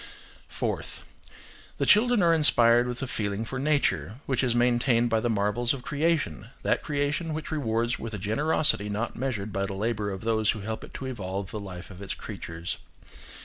Fourth. The children are inspired with a feeling for nature, which is maintained by the marvels of creation–that creation which rewards with a generosity not measured by the labour of those who help it to evolve the life of its creatures.